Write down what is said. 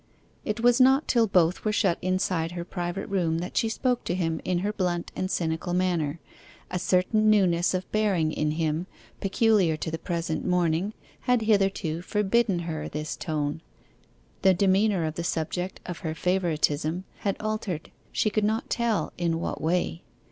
It was not till both were shut inside her private room that she spoke to him in her blunt and cynical manner. A certain newness of bearing in him, peculiar to the present morning, had hitherto forbidden her this tone: the demeanour of the subject of her favouritism had altered, she could not tell in what way.